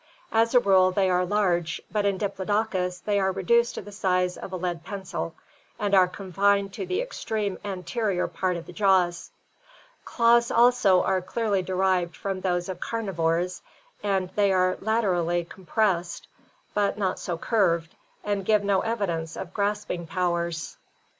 As a rule they are large but in Diplodocus they are reduced to the size of a lead pencil and are confined to the extreme anterior part of the jaws. Claws also are clearly derived from those of carnivores, as they are laterally compressed, but not so curved, and give no evidence of grasping powers.